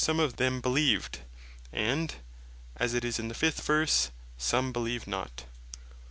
some of them beleeved, and (as it is in the 5. ver.) some beleeved not.